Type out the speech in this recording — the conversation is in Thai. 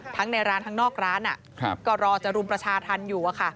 ทั้งในร้านทั้งนอกร้านอ่ะก็รอจรุมประชาธรรมอยู่อะค่ะ